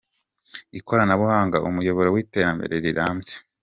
Ikoranabuhanga, umuyoboro w’iterambere rirambye